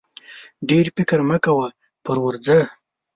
ډېر فکر مه کوه پر ورځه!